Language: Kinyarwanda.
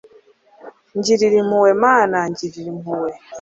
ngirira impuhwe mana, ngirira impuhwe